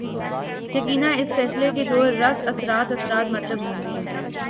یقینااس فیصلے کے دور رس اثرات اثرات مرتب ہو ں گے۔